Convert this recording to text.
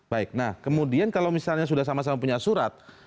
baik nah kemudian kalau misalnya sudah sama sama punya surat